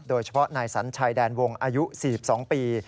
โดยเฉพาะนายสัญชัยแดนวงอายุ๔๒ปี